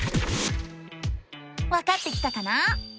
わかってきたかな？